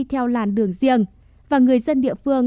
theo làn đường riêng và người dân địa phương